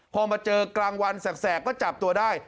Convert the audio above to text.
พอมาเจอกลางวันแสกก็จับตัวได้